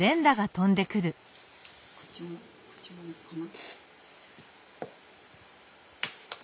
こっちもこっちもかな？